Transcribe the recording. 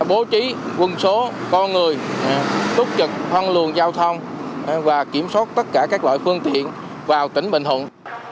bố trí quân số con người túc trực hoan luồn giao thông và kiểm soát tất cả các loại phương tiện vào tỉnh bình hùng